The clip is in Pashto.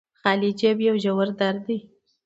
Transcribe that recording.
خالي جب يو ژور درد دې